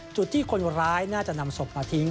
จุดที่คนร้ายน่าจะนำศพมาทิ้ง